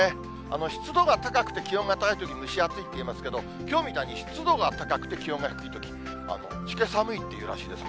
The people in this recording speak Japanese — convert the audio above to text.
湿度が高くて気温が高いとき、蒸し暑いっていいますけど、きょうみたいに湿度が高くて気温が低いとき、しけ寒いっていうらしいですね。